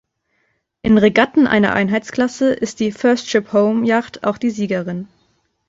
In Regatten einer Einheitsklasse ist die "First Ship Home" Yacht auch die Siegerin.